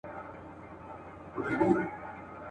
شاعر، ناول لیکونکی ..